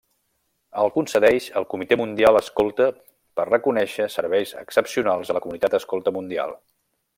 El concedeix el Comitè Mundial Escolta per reconèixer serveis excepcionals a la comunitat escolta mundial.